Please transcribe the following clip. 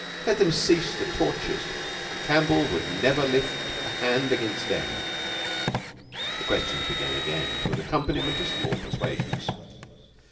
Let them cease the tortures and Campbell would never lift hand against them. The questions began again to an accompaniment of small persuasions.